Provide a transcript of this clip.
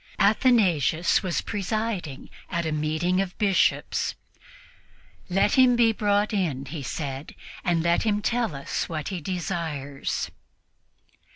Athanasius was presiding at a meeting of Bishops. "Let him be brought in," he said, "and let him tell us what he desires."